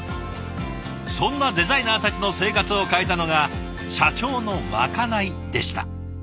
そんなデザイナーたちの生活を変えたのが社長のまかないでした。